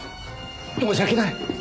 申し訳ない。